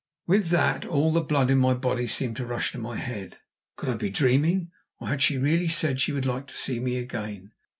With that all the blood in my body seemed to rush to my head. Could I be dreaming? Or had she really said she would like to see me again?